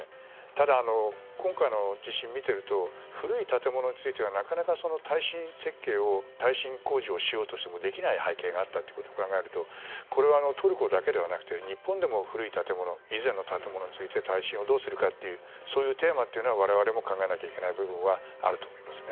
ただ、今回の地震を見ていると古い建物についてはなかなか耐震工事をしようとしてもできない背景があったことを考えるとこれはトルコだけではなく日本でも古い建物以前の建物について耐震をどうするかというテーマというのは我々も考えなければいけない部分があると思います。